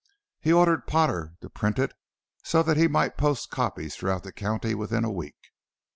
He ordered Potter to print it so that he might post copies throughout the county within a week.